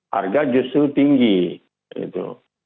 harga justru tinggi gitu